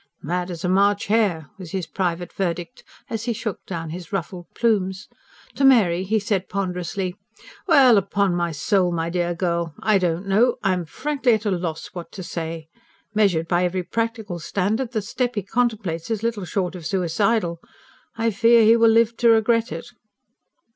"Mad as a March hare!" was his private verdict, as he shook down his ruffled plumes. To Mary he said ponderously: "Well, upon my soul, my dear girl, I don't know I am frankly at a loss what to say. Measured by every practical standard, the step he contemplates is little short of suicidal. I fear he will live to regret it."